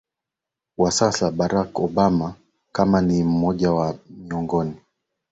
wa sasa Barack Obama kama Ni mmoja miongoni